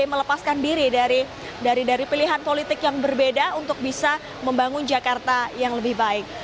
melepaskan diri dari pilihan politik yang berbeda untuk bisa membangun jakarta yang lebih baik